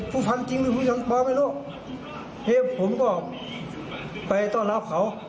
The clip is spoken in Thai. ผู้พันจริงหรือผู้จังบอกไม่รู้ผมก็ไปต้อนรับเขา